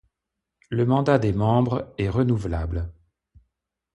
Le mandat des membres est renouvelable.